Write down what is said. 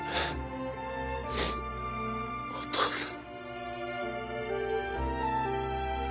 お父さん。